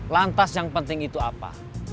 lantas yang penting itu apa